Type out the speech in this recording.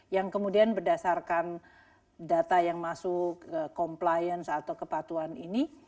yang kemudian berdasarkan data yang masuk compliance atau kepatuhan ini